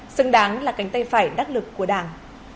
xứng đáng là cánh tay phải đắc lực của đảng